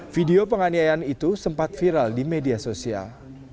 video penganiayaan itu sempat viral di media sosial